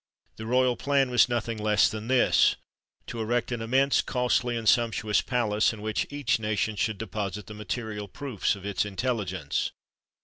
The royal plan was nothing less than this: to erect an immense, costly, and sumptuous palace, in which each nation should deposit the material proofs of its intelligence.